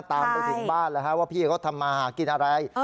ตามไปถึงบ้านแล้วว่าพี่เขาทำมาหากินอะไร